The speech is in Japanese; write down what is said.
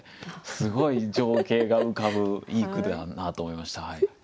すごい情景が浮かぶいい句だなと思いました。